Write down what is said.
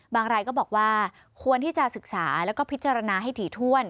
รายก็บอกว่าควรที่จะศึกษาแล้วก็พิจารณาให้ถี่ถ้วน